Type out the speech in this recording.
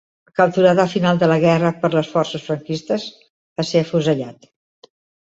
Capturat al final de la guerra per les forces franquistes, va ser afusellat.